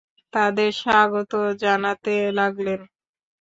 তাঁদের স্বাগত জানাতে লাগলেন।